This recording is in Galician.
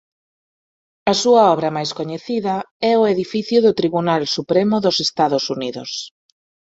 A súa obra máis coñecida é o edificio do Tribunal Supremo dos Estados Unidos.